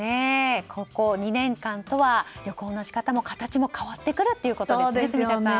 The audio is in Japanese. ここ２年間とは旅行の仕方も形も変わってくるんですね。